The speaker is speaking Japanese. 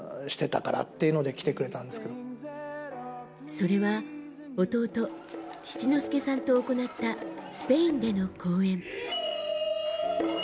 それは弟・七之助さんと行ったスペインでの公演。